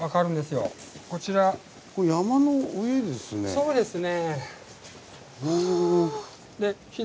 そうですね。